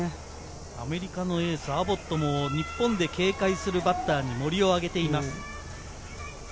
アメリカのエース、アボットも日本で警戒するバッターに森をあげています。